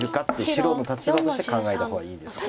白の立場として考えた方がいいです。